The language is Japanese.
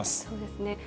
そうですね。